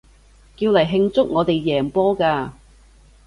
叫嚟慶祝我哋贏波嘅